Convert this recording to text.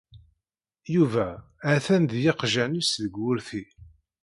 Yuba ha-t-an d yiqjan-is deg wurti.